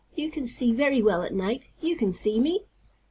"You can see very well at night. You can see me."